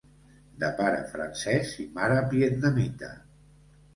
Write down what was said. De pare francès i mare vietnamita.